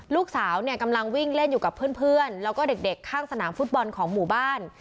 ลูกสาวเนี่ยกำลังวิ่งเล่นอยู่กับเพื่อนแล้วก็เด็กข้างสนามฟุตบอลของหมู่บ้าน